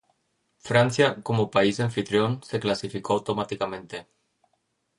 Francia, como país anfitrión, se clasificó automáticamente.